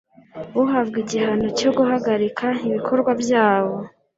uhabwa igihano cyo guhagarika ibikorwa byawo